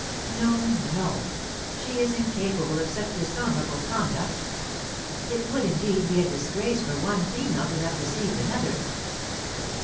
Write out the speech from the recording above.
No, no! She is incapable of such dishonourable conduct. It would, indeed, be a disgrace for one female so to have deceived another."